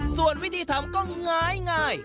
ส่วนวิธีทำก็ง้าย